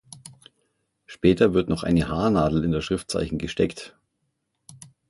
Später wird noch eine Haarnadel in das Schriftzeichen gesteckt.